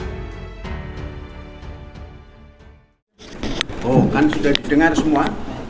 anda yang menilai jepang saya